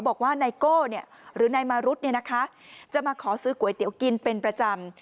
บอกว่าไนโก้หรือไนมารุษจะมาขอซื้อกล้วยเตี๋ยวกินเป็นประจำ